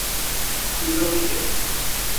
Kulübe hoş geldin.